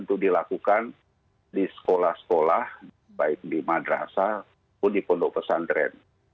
itu dilakukan di sekolah sekolah baik di madrasah pun di pondok pesantren